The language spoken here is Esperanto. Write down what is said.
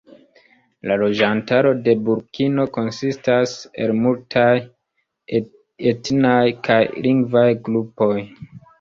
La loĝantaro de Burkino konsistas el multaj etnaj kaj lingvaj grupoj.